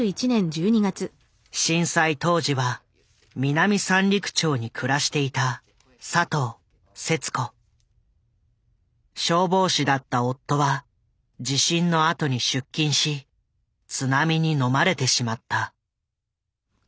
震災当時は南三陸町に暮らしていた消防士だった夫は地震のあとに出勤し津波にのまれてしまった。